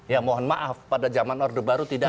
ya mohon maaf pada zaman orde baru tidak